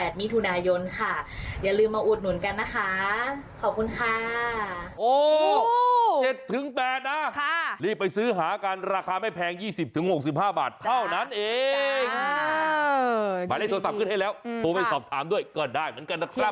หมายเลขโทรศัพท์ขึ้นให้แล้วโทรไปสอบถามด้วยก็ได้เหมือนกันนะครับ